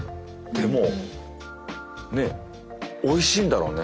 でもねおいしいんだろうね。ね。